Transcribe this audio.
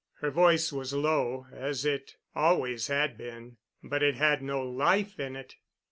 Her voice was low, as it always had been, but it had no life in it.